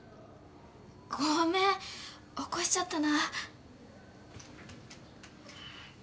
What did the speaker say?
ごめん起こしちゃったな。